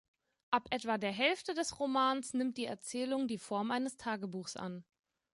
Ab etwa der Hälfte des Romans nimmt die Erzählung die Form eines Tagebuchs an.